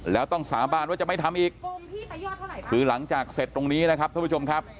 แล้วต้องสาบานว่าจะไม่ทำอีกคือหลังจากเสร็จตรงนี้นะครับท่านผู้ชมครับ